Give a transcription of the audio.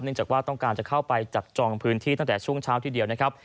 จากว่าต้องการจะเข้าไปจับจองพื้นที่ตั้งแต่ช่วงเช้าทีเดียวนะครับ